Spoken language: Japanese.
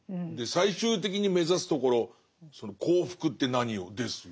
最終的に目指すところその幸福って何よ？ですよね。